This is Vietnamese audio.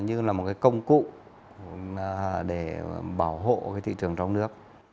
như là một cái công cụ để bảo hộ cái thị trường trong nước